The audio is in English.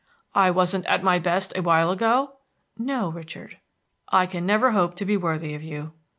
"I wasn't at my best a while ago?" "No, Richard." "I can never hope to be worthy of you."